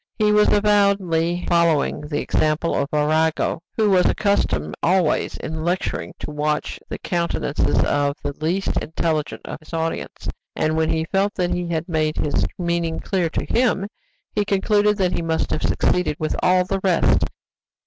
He was avowedly following the example of Arago, who was accustomed always in lecturing to watch the countenance of the least intelligent of his audience, and when he felt that he had made his meaning clear to him, he concluded that he must have succeeded with all the rest.